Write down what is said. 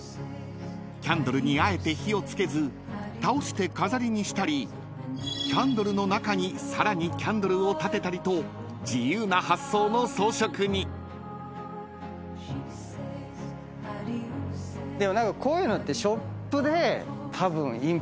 ［キャンドルにあえて火を付けず倒して飾りにしたりキャンドルの中にさらにキャンドルを立てたりと自由な発想の装飾に］でも何かこういうのって。